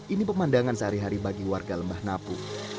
ini pemandangan sehari hari bagi warga lembah napu